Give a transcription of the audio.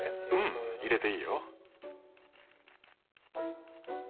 うん入れていいよ。